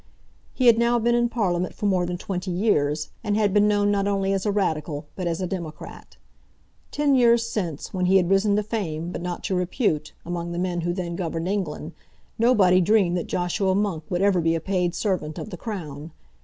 He had now been in Parliament for more than twenty years, and had been known not only as a Radical but as a Democrat. Ten years since, when he had risen to fame, but not to repute, among the men who then governed England, nobody dreamed that Joshua Monk would ever be a paid servant of the Crown.